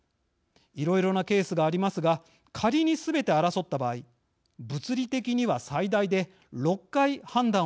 いろいろなケースがありますが仮にすべて争った場合物理的には最大で６回判断を受けることが可能です。